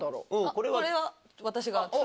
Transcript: これは私が。